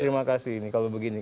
terima kasih ini kalau begini